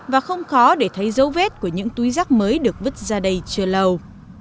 và không khó để thấy dấu vết của những túi rác mới được vứt ra đây chưa lâu